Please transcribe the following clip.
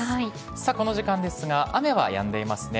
さあ、この時間ですが、雨はやんでいますね。